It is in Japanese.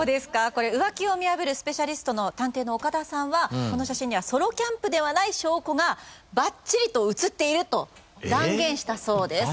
これ浮気を見破るスペシャリストの探偵の岡田さんはこの写真にはソロキャンプではない証拠がバッチリと写っていると断言したそうです